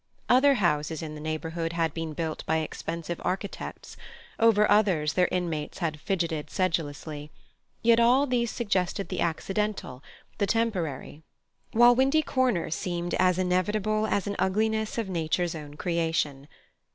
Other houses in the neighborhood had been built by expensive architects, over others their inmates had fidgeted sedulously, yet all these suggested the accidental, the temporary; while Windy Corner seemed as inevitable as an ugliness of Nature's own creation.